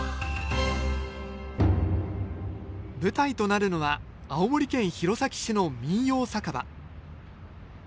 舞台となるのは青森県弘前市の民謡酒場。